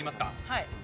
はい。